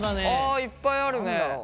あいっぱいあるね。